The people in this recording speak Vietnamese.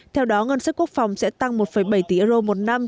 theo đó ngân sách quốc phòng sẽ tăng một bảy tỷ euro một năm